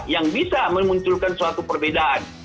yang bisa memunculkan suatu perbedaan